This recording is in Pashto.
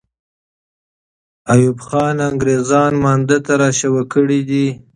ایوب خان انګریزان مانده ته را شوه کړي دي.